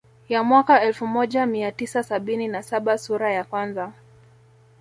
Ya mwaka elfu moja mia tisa sabini na saba sura ya kwanza